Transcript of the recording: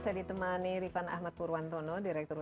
assalamualaikum warahmatullahi wabarakatuh